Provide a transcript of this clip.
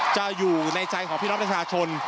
จะอยู่ในใจของพิมพ์ประชาชน